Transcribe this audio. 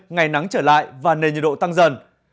ngày nắng trở lại và nền nhiệt độ tăng dần